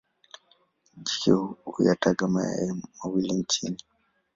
Jike huyataga mayai mawili chini.